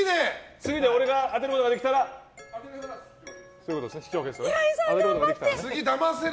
次で俺が当てることができたら引き分けですね。